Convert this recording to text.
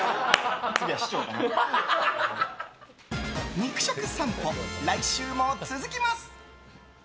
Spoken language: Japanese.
肉食さんぽ、来週も続きます。